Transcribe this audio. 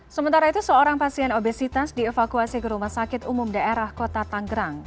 sementara itu seorang pasien obesitas dievakuasi ke rumah sakit umum daerah kota tanggerang